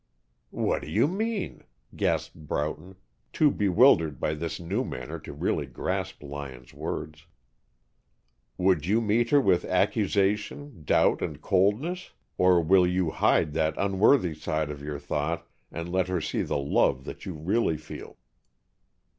"What do you mean?" gasped Broughton, too bewildered by this new manner to really grasp Lyon's words. "Would you meet her with accusation, doubt, and coldness? Or will you hide that unworthy side of your thought and let her see the love that you really feel?"